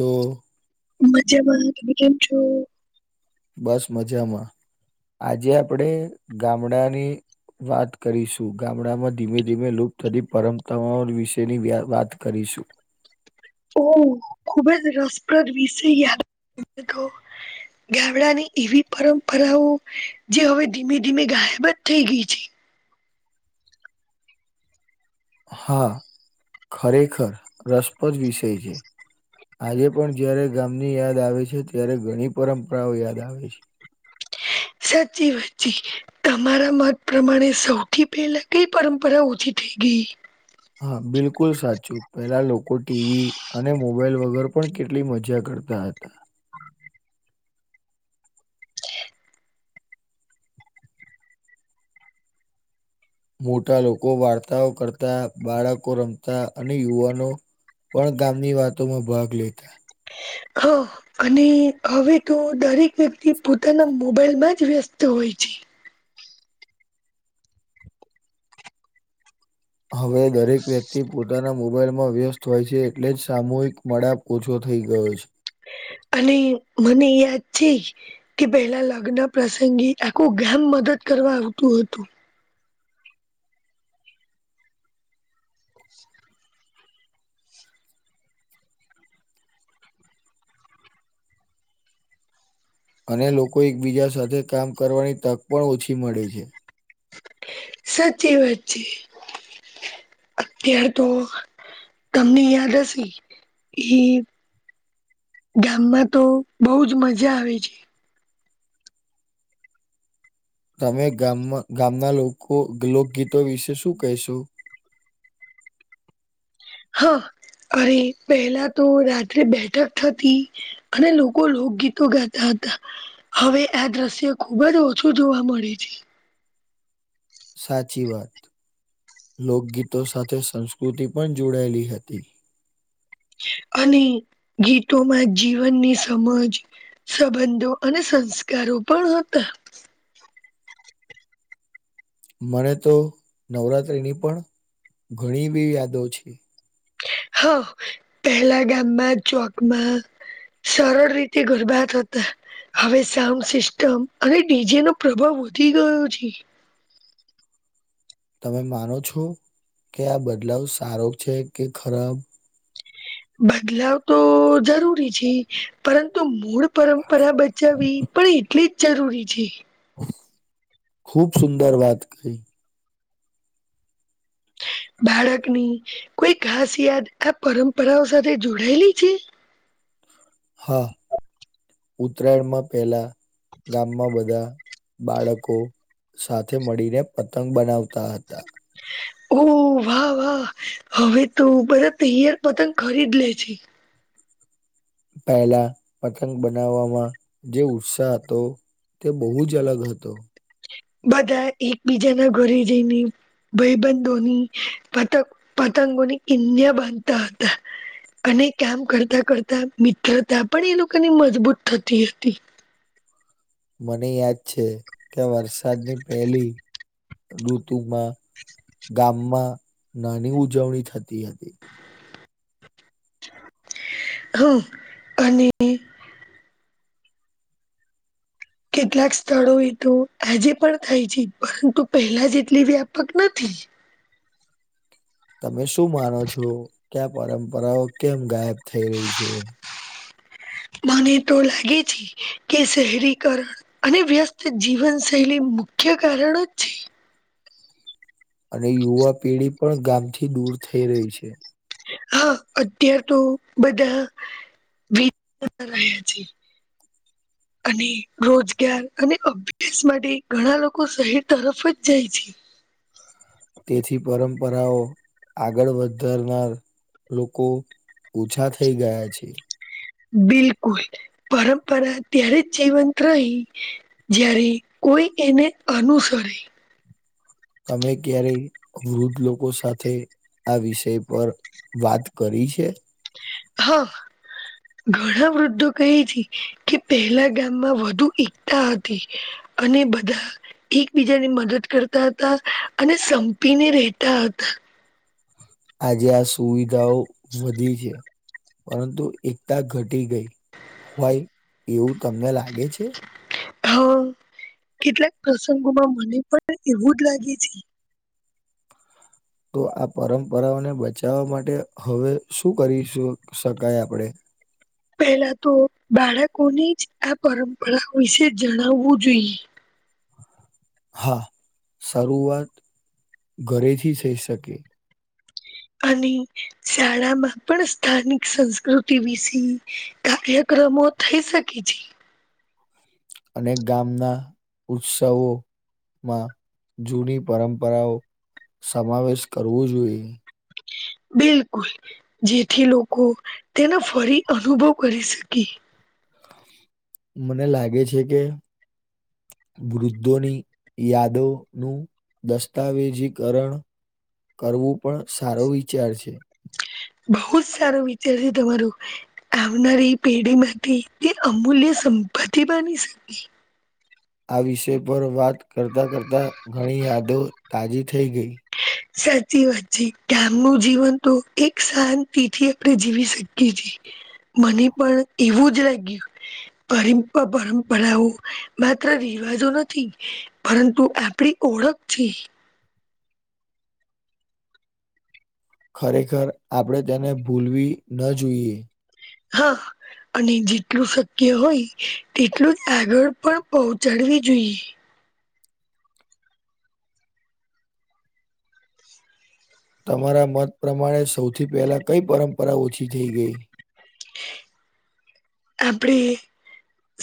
લો મજામાં તમે કેમ છો? બસ મજામાં આજે આપડે ગામડાની વાત કરીશું ગામડામાં ધીમે ધીમે લુપ્ત થતી પરંપરાઓ વિશેની વાત કરીશું. ઓહ ખુબ જ રસપ્રદ વિષય યાદ તો ગામડાની એવી પરંપરાઓ જે હવે ધીમે ધીમે ગાયબ જ થઈ ગઈ છે. હા ખરેખર રસપ્રદ વિષય છે. આજે પણ જયારે ગામની યાદ આવે છે ત્યારે ઘણી પરંપરાઓ યાદ આવે છે. સાચી વાત છે. તમારા મત પ્રમાણે સૌથી પહેલા કઈ પરંપરા ઓછી થઈ ગઈ. હા બિલકુલ સાચું પેલા લોકો ટીવી અને મોબાઈલ વગર પણ કેટલી મજા કરતા. ત હતા મોટા લોકો વાર્તાઓ કરતા બાળકો રમતા અને યુવાનો પણ ગામની વાતોમાં ભાગ લેતા હા. અને હવે તો દરેક વ્યક્તિ પોતાના મોબાઈલમાં જ વ્યસ્ત હોય છે‌. હવે દરેક વ્યક્તિ પોતાના મોબાઈલ માં વ્યસ્ત હોય છે એટલે જ સામૂહિક મડા ઓછો થઈ ગયો છે. અને મને યાદ છે કે પહેલા લગ્ન પ્રસંગે આખું ગેમ મદદ કરવા આવતું હતું અને લોકો એકબીજા સાથે કામ કરવાની તક પણ ઓછી મળે છે. સાચી વાત છે અત્યાર તો તમને યાદ હશે એ ગામમાં તો બહુ જ મજા આવે છે. તમે ગામમાં ગામના લોકો લોકગીતો વિશે શું કહેશુ? હા અરે પહેલા તો રાત્રે બેઠક થતી. અને લોકો લોકગીતો ગાતા હતા. હવે આ દ્રશ્ય ખુબ જ ઓછું જોવા મળે છે. સાચી વાત લોકગીતો સાથે સંસ્કૃતિ પણ જોડાયેલી હતી. અને ગીતોમાં જીવનની સમજ સંબંધો અને સંસ્કારો પણ હતા. મને તો નવરાત્રીની પણ ઘણી બી યાદો છે. હા પહેલા ગામમાં ચોકમાં સરળ રીતે ગુરબા થતા. હવે સાઉન્ડ સિસ્ટમ અને ડીજે નો પ્રભાવ વધી ગયો છે. તમે માનો છો કે આ બદલાવ સારો છે કે ખરાબ, બદલાવ તો જરૂરી છે પરંતુ મૂળ પરંપરા બચાવવી પણ એટલી જ જરૂરી છે. ખુબ સુંદર વાત કરીઈ‌ બાળકની કોઈ ખાસ યાદ આ પરંપરાઓ સાથે જોડાયેલી છે. હા ઉતરાયણમાં પેલા ગામમાં બધા. બાળકો સાથે મળીને પતંગ બનાવતા હતા. ઓહ વાહ વાહ હવે તો બધા તૈયાર પતંગ ખરીદ લે છે. પહેલા પતંગ બનાવવામાં જે ઉત્સાહ હતો. તે બહુ જ અલગ હતો. બધા એકબીજા ના ઘરે જઈને. ભબંધોની પતંગ પતંગોની કિન્યા બંધતા હતા. અને કામ કરતા કરતા મિત્રતા પણ એ લોકોની મજબૂત થતી હતી. મને યાદ છે કે વરસાદની પેલી. ઋતુમાં ગામમાં નાની ઉજવણી થતી હતી. હમ અને. કેટલાક સ્થળો એ તો આજે પણ થાય છે પરંતુ પહેલા જે એટલી વ્યાપક નથી. તમે શું માનો છો ક્યા પરંપરાઓ કેમ ગાયબ થઈ રહી છે. મને તો લાગે છે કે શહેરીકરણ. અને વ્યસ્ત જીવનશૈલી મુખ્ય કારણો જ છે. અને યુવા પેઢી પણ ગામથી દૂર થઈ રહી છે. હા અત્યાર તો બધા. વ રહ્યા છે. [unintelligible] [inaudible] [inaudible] અને રોજગાર અને અભ્યાસ માટે ઘણા લોકો શહેર તરફ જ જાય છે. તેથી પરંપરાઓ આગળ વધારનાર. લોકો ઓછા થઈ ગયા છે. બિલકુલ પરંપરા ત્યારે જ જીવંત રહી. જ્યારે કોઈ એને અનુસરે. તમે ક્યારેય વૃદ્ધ લોકો સાથે. આ વિષય પર વાત કરી છે. હા. ઘણા વૃદ્ધો કહે છે કે પહેલા ગામમાં વધુ એકતા હતી. અને બધા. એકબીજાની મદદ કરતા હતા અને સંપીને રહેતા હતા. આજે આ સુવિધાઓ વધી છે. પરંતુ એકતા ઘટી ગઈ હોય એવું તમને લાગે છે. હા કેટલાક પ્રસંગોમાં મને પણ એવું જ લાગે છે. તો આ પરંપરાઓને બચાવવા માટે હવે શું કરી શું શકાય આપણે. પહેલા તો બાળકોની જ આ પરંપરા વિશે જણાવવું જોઈએ. હા સારું વાત ઘરેથી થઈ શકે. અને શાળામાં પણ સ્થાનિક સંસ્કૃતિ વિશે કાર્યક્રમો. થઈ શકે છી. અને ગામના ઉત્સવો. માં જૂની પરંપરાઓ સમાવેશ કરવો જોઈએ. બિલકુલ જેથી લોકો તેનો ફરી અનુભવ કરી શકે. મને લાગે છે કે. વૃદ્ધોની યાદો નું દસ્તાવેજીકરણ કરવું પણ સારો વિચાર છે. બહુ જ સારો વિચાર છે તમારું. આવનારી પેઢીમાંથી તે અમૂલ્ય સંપત્તિ બની શકે. આ વિષય પર વાત કરતા કરતા ઘણી યાદો તાજી થઈ ગઈ. સાચી વાત છે ગામનું જીવન તો એક શાંતિથી આપણે જીવી શકીએ છીએ. મને પણ એવું જ લાગ્યું. પરપ પરંપરાઓ માત્ર રિવાજો નથી. પરંતુ આપડી ઓળખ છે ખરેખર આપણેે તેને ભૂલવી ન જોઈએ. હા. અને જેટલું શક્ય હોય તેટલું જ આગળ પણ પહોંચાડવી જોઈએ તમારા મત પ્રમાણે સૌથી પહેલા કઈ પરંપરા ઓછી થઈ ગઈ. [inaudible] [inaudible] આપડે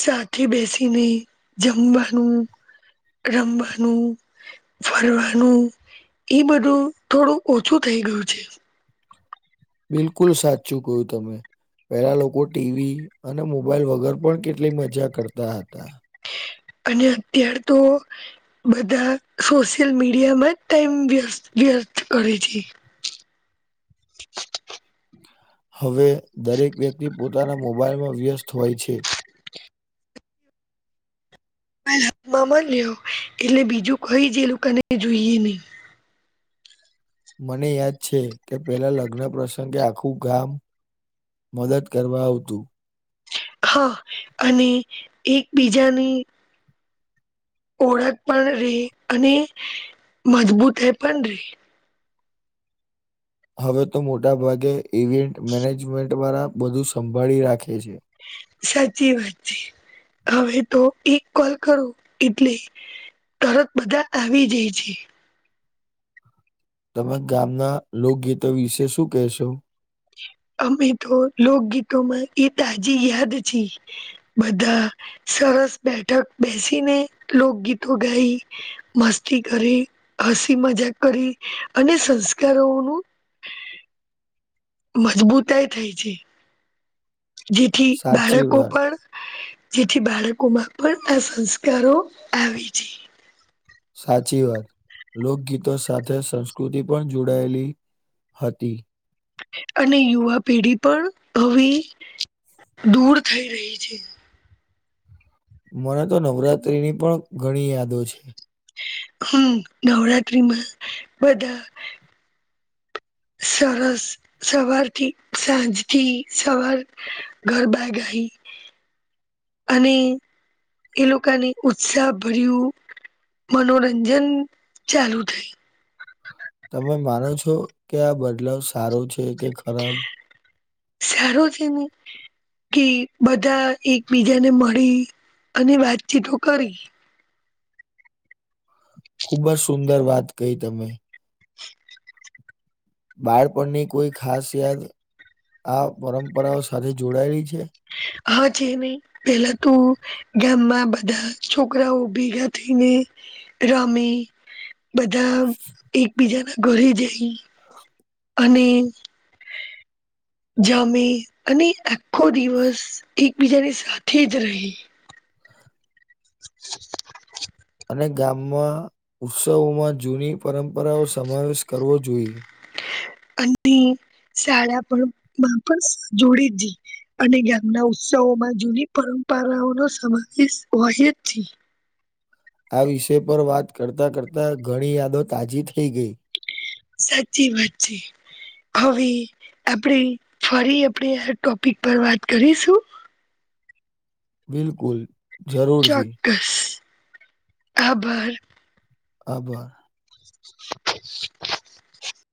સાથે બેસીને જમવાનું રમવાનું ફરવાનું એ બધું થોડું ઓછું થઈ ગયું છે. બિલકુલ સાચું કો તમે. પેલા લોકો ટી વી અને મોબાઈલ વગર પણ કેટલીક મજા કરતા હતા. અને અત્યાર તો બધા સોશિયલ મીડિયામાં જ ટાઈમ વ્યસ્ વ્યર્થ કરે છે. [inaudible] હવે દરેક વ્યક્તિ પોતાના મોબાઈલમાં વ્યસ્ત હોય છે. મામા લ્યો, એટલે બીજું કઈ જ એ લોકોકાને જોઈએ નહી. મને યાદ છે કે પેલા લગ્ન પ્રસંગે આખું ગામ મદદ કરવા આવતું. હા, અને એકબીજાની ઓળખ પણ રે અને મજબૂતાઈ પણ રે. હવે તો મોટા ભાગે ઇવેન્ટ મેનેજમેન્ટ વાળા બધું સંભાળી રાખે છે. સાચી વાત છે. હવે તો એક કોલ કરો એટલે તરત બધા આવી જય છે. તમે ગામના લોકગીતો વિશે શું કેહેશો? અમે તો લોકગીતોમાં ઈ તાજી યાદ છે. બધા સરસ બેઠક બેસીને, લોકગીતો ગાઈ મસ્તી કરી, હસી મજાક કરી અને સંસ્કારોનું મજબૂતાય થાય છે, જેથી સાચી બાળકો વાત, પણ જેથી બાળકોમાં પણ આ સંસ્કારો આવે છે. સાચી વાત. લોકગીતો સાથે સંસ્કૃતિ પણ જોડાયલી હતી. અને યુવા પેઢી પણ હવે, દૂર થઈ રહી છે. મને તો નવરાત્રી ની પણ ઘણી યાદો છે. [unintelligible] નવરાત્રીમાં બધા સરસ. સવારથી, સાંજથી સવાર, ગરબા ગાઈ. અને એ લોકાની ઉત્સાહ ભર્યું મનોરંજન ચાલુ થઈ. તમે માનો છો કે આ બદલાવ સારો છે કે ખરાબ? સારો છે ને. કે બધા એકબીજાને મળી અને વાતચીતો કરી. ખુબ જ સુંદર વાત કહી તમે. બાળપણની કોઈ ખાસ યાદ, આ પરંપરાઓ સાથે જોડાયેલી છે? હા છે ને. પેલા તો ગેમમાં બધા છોકરાઓ ભેગા થઈને રમે, બધા એકબીજાના ઘરે જઈ. હ અને, જમી અને આખો દિવસ એકબીજાની સાથે જ રહી. [inaudible] અને ગામમાં, ઉત્સવોમાં જૂની પરંપરાઓ સમાવેશ કરવો જોઈ. અને શાળા પણ મા પણ જોડ જ જઈ. અને જ્ઞાનના ઉત્સવોમાં જૂની પરંપરાઓ નો સમાવેશ હોય જ છી. આ વિષય પર વાત કરતા કરતા, ઘણી યાદો તાજી થઈ ગઈ. સાચી વાત છે. હવે આપણે ફરી આપણે આ ટોપિક પર વાત કરીશું? બિલકુલ. જરૂરથી. ચોક્કસ, આભાર. આભાર. [inaudible]